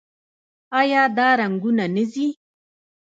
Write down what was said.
آیا دا رنګونه نه ځي؟